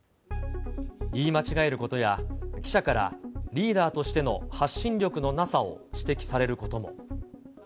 言い間違えることや、記者からリーダーとしての発信力のなさを指摘されることも。